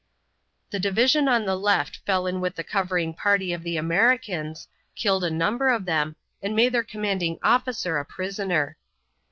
The division on the left fell in with the covering party of the Americans, killed a number of them, and made their commanding officer a prisoner.